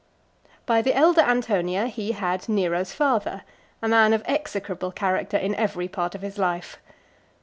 V. By the elder Antonia he had Nero's father, a man of execrable character in every part of his life.